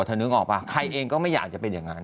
นึกออกป่ะใครเองก็ไม่อยากจะเป็นอย่างนั้น